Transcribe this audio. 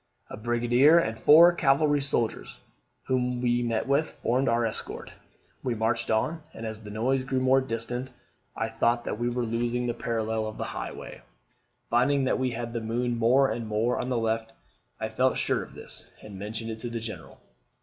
A brigadier and four cavalry soldiers, whom we met with, formed our escort. We marched on; and, as the noise grew more distant, I thought that we were losing the parallel of the highway. Finding that we had the moon more and more on the left, I felt sure of this, and mentioned it to the General.